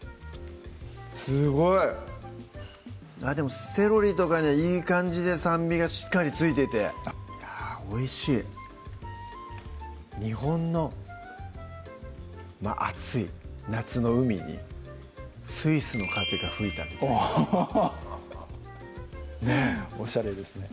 すごいセロリとかにいい感じで酸味がしっかり付いててあぁおいしい日本の暑い夏の海にスイスの風が吹いたみたいおぉおしゃれですね